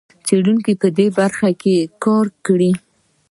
څېړونکو په دې برخه کې کار کړی.